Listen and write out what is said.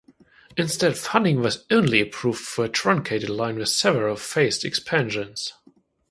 Instead, funding was only approved for a truncated line, with several phased expansions.